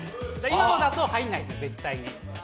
今のだと入らないですよ。